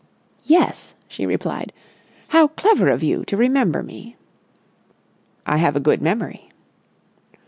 "Yes," she replied. "How clever of you to remember me." "I have a good memory."